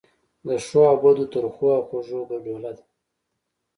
د ښو او بدو، ترخو او خوږو ګډوله ده.